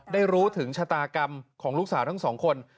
ได้รู้ถึงชะตากรรมของลูกสาวทั้งสองคน